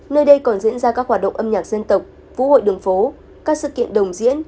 nơi đây còn diễn ra các hoạt động âm nhạc dân tộc vũ hội đường phố các sự kiện đồng diễn